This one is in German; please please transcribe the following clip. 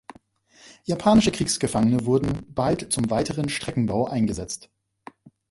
Japanische Kriegsgefangene wurden bald zum weiteren Streckenbau eingesetzt.